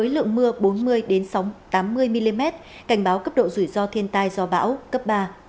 lượng mưa bốn mươi tám mươi mm cảnh báo cấp độ rủi ro thiên tai do bão cấp ba